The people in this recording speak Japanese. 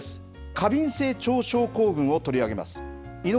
過敏性腸症候群を取り上げます。